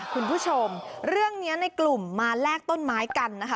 คุณผู้ชมเรื่องนี้ในกลุ่มมาแลกต้นไม้กันนะคะ